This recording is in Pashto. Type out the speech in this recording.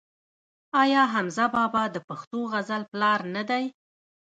آیا حمزه بابا د پښتو غزل پلار نه دی؟